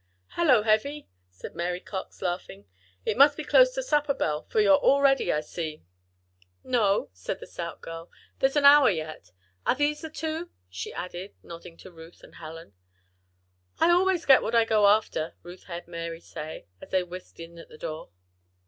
"Hello, Heavy," said Mary Cox, laughing. "It must be close to supper bell, for you're all ready, I see." "No," said the stout girl. "There's an hour yet. Are these the two?" she added, nodding at Ruth and Helen. "I always get what I go after," Ruth heard Mary say, as they whisked in at the door.